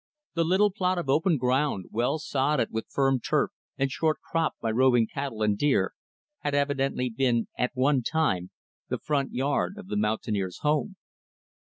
The little plot of open ground well sodded with firm turf and short cropped by roving cattle and deer had evidently been, at one time, the front yard of the mountaineer's home.